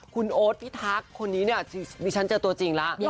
คุณโอ๊ตพี่ทักคนนี้เนี่ยมีฉันเจอตัวจริงละ